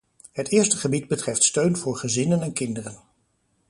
Het eerste gebied betreft steun voor gezinnen en kinderen.